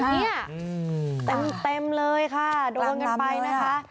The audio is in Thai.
เนี่ยเต็มเลยค่ะโดนกันไปนะคะ